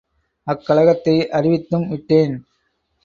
அக்கலக்கத்தை அறிவித்தும் விட்டேன்.